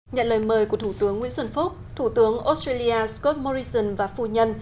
nhận lời mời của thủ tướng nguyễn xuân phúc thủ tướng australia scott morrison và phu nhân